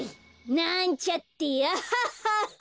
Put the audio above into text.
なんちゃってアハハハ！